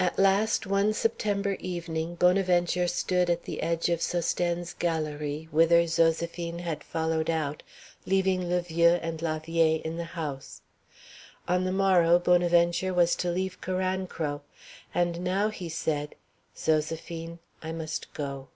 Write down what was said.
At last, one September evening, Bonaventure stood at the edge of Sosthène's galérie, whither Zoséphine had followed out, leaving le vieux and la vieille in the house. On the morrow Bonaventure was to leave Carancro. And now he said, "Zoséphine, I must go."